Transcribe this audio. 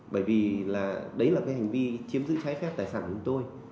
bởi vì là đấy là cái hành vi chiếm giữ trái phép tài sản của chúng tôi